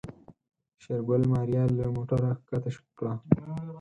شېرګل ماريا له موټره کښته کړه.